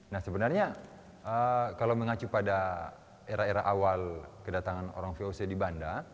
nah sebenarnya kalau mengacu pada era era awal kedatangan orang voc di banda